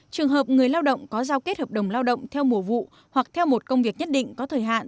trường hợp người lao động có giao kết hợp đồng lao động theo mùa vụ hoặc theo một công việc nhất định có thời hạn